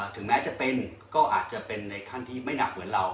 ถึงแม้จะเป็นก็อาจจะเป็นในขั้นที่ไม่หนักเหมือนเรา